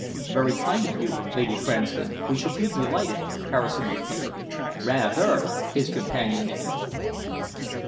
"Very kind of you, Lady Cranston, we shall be delighted," Harrison declared. "Rather!" his companion echoed.